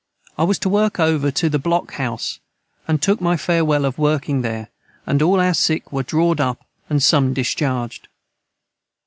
I was to work over to the Block House and took my Farewel of working their & all our sick were drawd up & som dischargd.